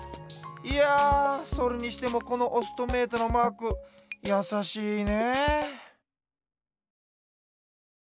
いやそれにしてもこのオストメイトのマークやさしいね。